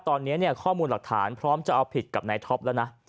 ตอนนี้ข้อมูลหลักฐานพร้อมจะเอาผิดกับนายท็อปแล้วนะ